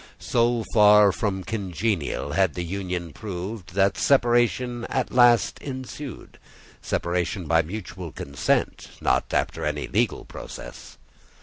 So far from congenial had the union proved, that separation at last ensued—separation by mutual consent, not after any legal process.